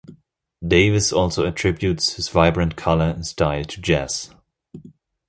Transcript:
Davis also attributes his vibrant color and style to jazz.